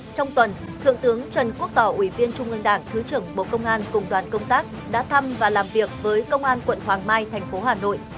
trong tuần thượng tướng trần quốc tỏ ủy viên trung ương đảng thứ trưởng bộ công an cùng đoàn công tác đã thăm và làm việc với công an quận hoàng mai thành phố hà nội